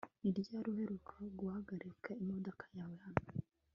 Ni ryari uheruka guhagarika imodoka yawe hano